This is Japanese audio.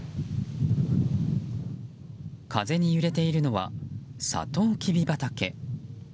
風に揺れているのはサトウキビ畑。